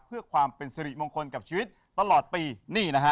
เพื่อความเป็นสิริมงคลกับชีวิตตลอดปีนี่นะฮะ